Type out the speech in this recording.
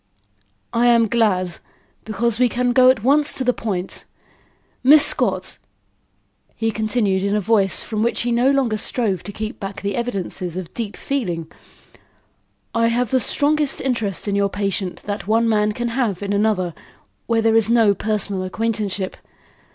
"I am glad, because we can go at once to the point. Miss Scott," he continued in a voice from which he no longer strove to keep back the evidences of deep feeling, "I have the strongest interest in your patient that one man can have in another, where there is no personal acquaintanceship.